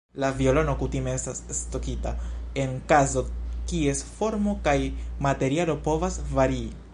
La violono kutime estas stokita en kazo kies formo kaj materialo povas varii.